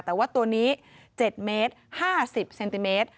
แต่ว่าตัวนี้๗เมตร๕๐เซนติเมตร